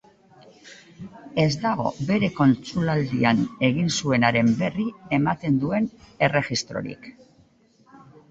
Ez dago bere kontsulaldian egin zuenaren berri ematen duen erregistrorik.